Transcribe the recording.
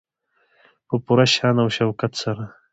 په پوره شان او شوکت سره.